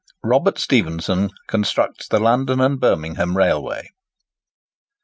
ROBERT STEPHENSON CONSTRUCTS THE LONDON AND BIRMINGHAM RAILWAY.